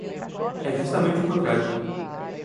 É justamente o contrário.